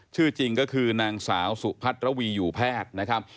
ชื่อจริงก็คือนางสาวสุพัทรวีอยู่แพทย์นะครับ